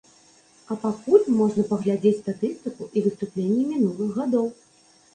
А пакуль можна паглядзець статыстыку і выступленні мінулых гадоў.